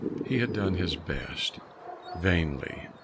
He had done his best vainly.